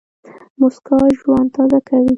موسکا ژوند تازه کوي.